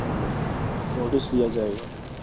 Notice لیا جائے گا۔